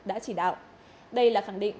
đã chỉ đạo đây là khẳng định